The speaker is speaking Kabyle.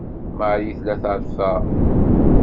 Marie tella terfa.